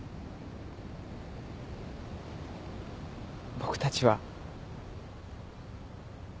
僕たちは。